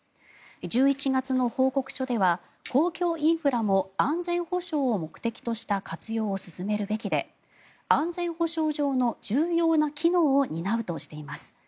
１１月の報告書では公共インフラも安全保障を目的とした活用を進めるべきで安全保障上の重要な機能を担うとしています。